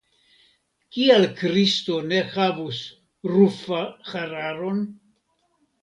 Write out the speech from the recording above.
Kial Kristo ne havus rufa hararon?